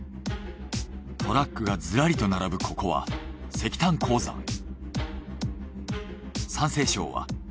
トラックがずらりと並ぶここは石炭鉱山。